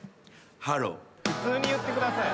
普通に言ってください。